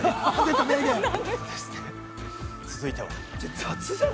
続いては。